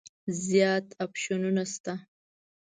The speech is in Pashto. زیات اپشنونه شته دي.